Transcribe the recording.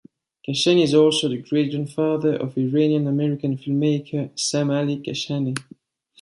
Kashani is also the great grandfather of Iranian-American filmmaker Sam Ali Kashani.